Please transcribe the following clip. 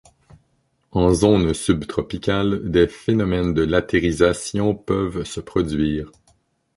En zone de subtropicale, des phénomènes de latérisation peuvent se produire.